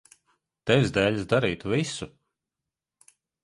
Tevis dēļ es darītu visu.